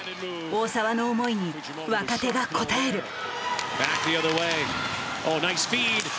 大澤の思いに若手が応える。